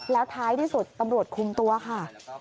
แล้วท้ายที่สุดตำรวจคุมตัวค่ะ